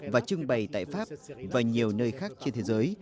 và trưng bày tại pháp và nhiều nơi khác trên thế giới